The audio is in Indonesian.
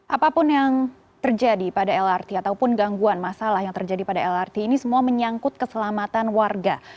apapun yang terjadi pada lrt ataupun gangguan masalah yang terjadi pada lrt ini semua menyangkut keselamatan warga